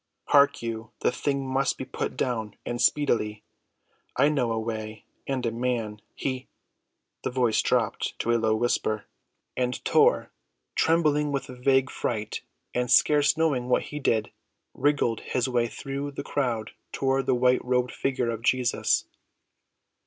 Hark you, the thing must be put down and speedily. I know a way and a man; he—" The voice dropped to low whispers, and Tor, trembling with vague fright, and scarce knowing what he did, wriggled his way through the crowd toward the white‐robed figure of Jesus.